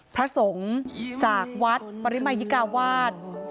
พระสงฆ์จากวัดปริมายิกาวาส